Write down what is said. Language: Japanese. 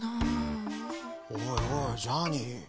おいおいジャーニー。